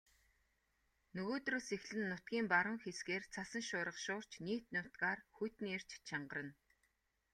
Нөгөөдрөөс эхлэн нутгийн баруун хэсгээр цасан шуурга шуурч нийт нутгаар хүйтний эрч чангарна.